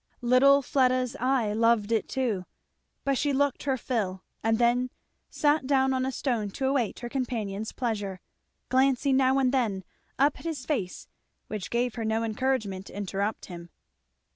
Little Fleda's eye loved it too, but she looked her fill and then sat down on a stone to await her companion's pleasure, glancing now and then up at his face which gave her no encouragement to interrupt him.